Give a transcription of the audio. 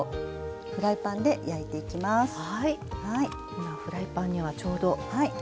今フライパンにはちょうど。